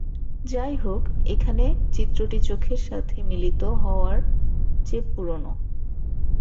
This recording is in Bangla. যাইহোক, এখানে চিত্রটি চোখের সাথে মিলিত হওয়ার চেয়ে পুরনো।